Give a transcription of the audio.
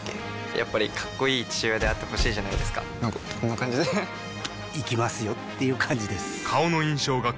やっぱりかっこいい父親であってほしいじゃないですかなんかこんな感じで行きますよっていう感じです